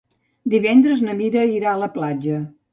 Divendres na Mira irà a la platja.